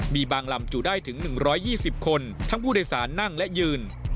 มีบางลำจูได้ถึง๑๒๐คนทั้งผู้โดยสารนั่งและยืน